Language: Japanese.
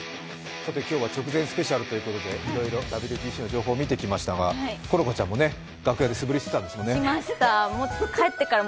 今日は直前スペシャルということでいろいろ情報見てきましたが好花ちゃんも楽屋で素振りしてたんですよね。